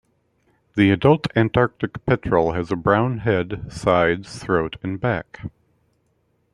The adult Antarctic petrel has a brown head, sides, throat, and back.